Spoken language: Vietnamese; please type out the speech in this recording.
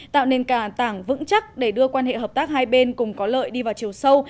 tạo nền tảng tảng vững chắc để đưa quan hệ hợp tác hai bên cùng có lợi đi vào chiều sâu